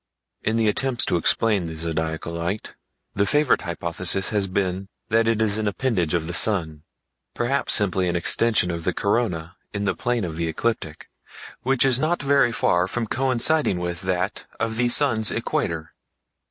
In the attempts to explain the Zodiacal Light, the favorite hypothesis has been that it is an appendage of the sun—perhaps simply an extension of the corona in the plane of the ecliptic, which is not very far from coinciding with that of the sun's equator.